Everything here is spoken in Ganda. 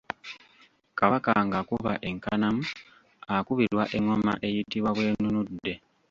Kabaka ng’akuba enkanamu akubirwa engoma eyitibwa bwenunudde.